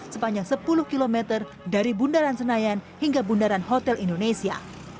sepanjang sepuluh km dari bundaran senayan hingga bundaran hotel indonesia